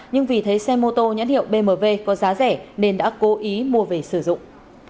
nhưng vì thấy xe mô tô nhãn hiệu bmw có giá rẻ nên đã cố ý mua về sử dụng